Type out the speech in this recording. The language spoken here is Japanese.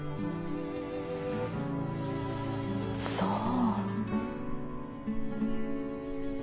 そう。